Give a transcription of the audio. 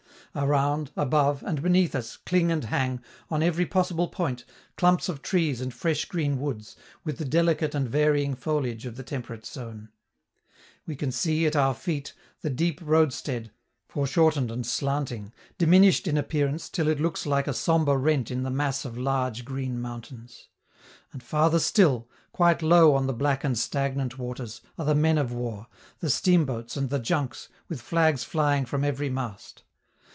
Around, above, and beneath us cling and hang, on every possible point, clumps of trees and fresh green woods, with the delicate and varying foliage of the temperate zone. We can see, at our feet, the deep roadstead, foreshortened and slanting, diminished in appearance till it looks like a sombre rent in the mass of large green mountains; and farther still, quite low on the black and stagnant waters, are the men of war, the steamboats and the junks, with flags flying from every mast.